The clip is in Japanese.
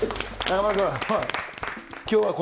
中丸君。